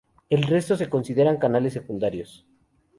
El resto se consideran canales secundarios.